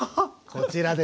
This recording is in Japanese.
こちらです。